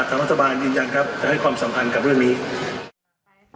สามารถสบายจริงครับจะให้ความสำคัญกับเรื่องนี้